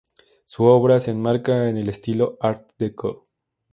Su obra se enmarca en el estilo Art-Decó.